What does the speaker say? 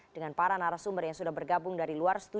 dengan para narasumber yang sudah bergabung dari luar studio